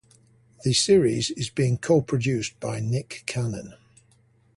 The series is being co-produced by Nick Cannon.